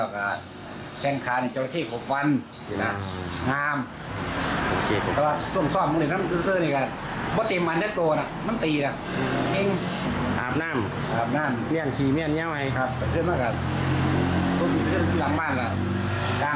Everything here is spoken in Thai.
คับทำลูกหรือเปล่า